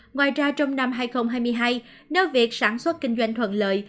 ngoài ra trong năm hai nghìn hai mươi hai nếu việc sản xuất kinh doanh thuận lợi